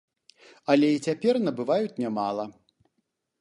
Але і цяпер набываюць нямала.